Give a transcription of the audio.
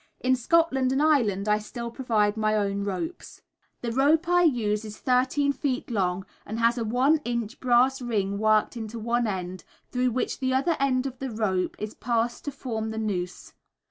In Scotland and Ireland I still provide my own ropes. The rope I use is thirteen feet long and has a one inch brass ring worked into one end, through which the other end of the rope is passed to form the noose.